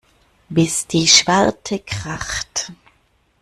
Bis die Schwarte kracht.